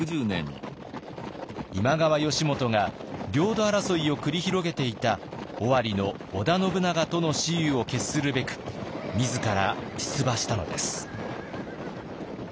今川義元が領土争いを繰り広げていた尾張の織田信長との雌雄を決するべく自ら出馬したのです。